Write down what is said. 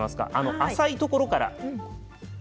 浅いところから。